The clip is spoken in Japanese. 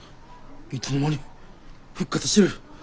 いつの間に復活してる！